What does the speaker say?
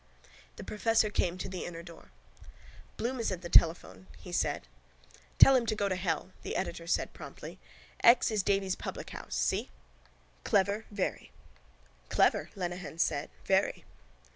The professor came to the inner door. —Bloom is at the telephone, he said. —Tell him go to hell, the editor said promptly. X is Davy's publichouse, see? CLEVER, VERY —Clever, Lenehan said. Very.